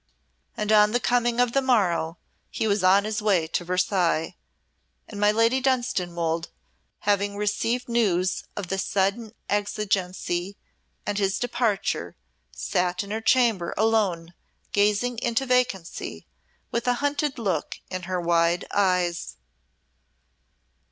And on the coming of the morrow he was on his way to Versailles, and my Lady Dunstanwolde, having received news of the sudden exigency and his departure, sate in her chamber alone gazing as into vacancy, with a hunted look in her wide eyes.